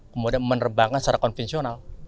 kemudian menerbangkan secara konvensional